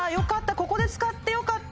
ここで使ってよかった。